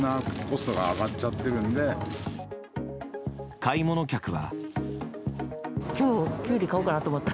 買い物客は。